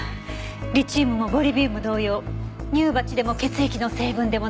リチウムもボリビウム同様乳鉢でも血液の成分でもない元素ね。